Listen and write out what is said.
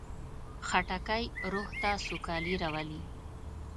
خټکی روح ته سوکالي راولي.